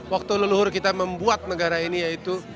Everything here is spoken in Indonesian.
waktu leluhur kita membuat negara ini yaitu